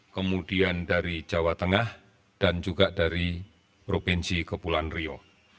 kemudian dari jawa tengah dan juga dari provinsi kepulauan rio